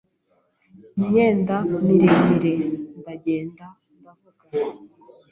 imyenda miremire, ndagenda ndavuga